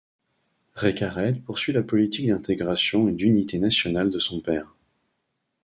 Récarède poursuit la politique d’intégration et d’unité nationale de son père.